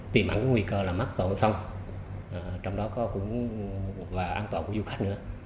tùy mặn nguy cơ là mắc tổ sông trong đó cũng có an toàn của du khách nữa